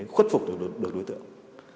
khuất phục được đối tượng